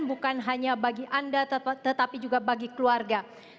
bukan hanya bagi anda tetapi juga bagi keluarga